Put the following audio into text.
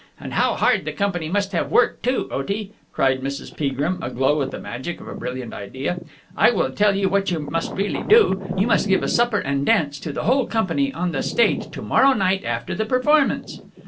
And how hard the company must have worked too! Otie," cried Mrs. Peagrim, aglow with the magic of a brilliant idea, "I will tell you what you must really do. You must give a supper and dance to the whole company on the stage to morrow night after the performance."